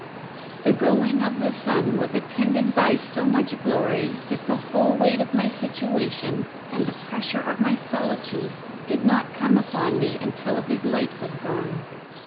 The going of the sun was attended by so much glory that the whole weight of my situation and the pressure of my solitude did not come upon me until his light was gone.